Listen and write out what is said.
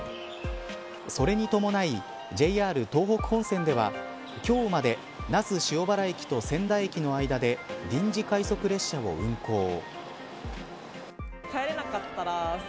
それに伴いＪＲ東北本線では今日まで那須塩原駅と仙台駅の間で臨時快速列車を運行。